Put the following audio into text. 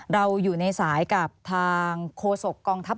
เราอยู่ในสายกับทางโฆษกองทัพ